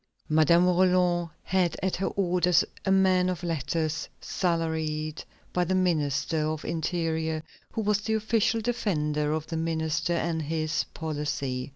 Madame Roland had at her orders a man of letters, salaried by the Ministry of the Interior, who was the official defender of the minister and his policy.